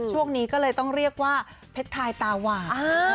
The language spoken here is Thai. ช่วงนี้ก็เลยต้องเรียกว่าเพชรทายตาหวาน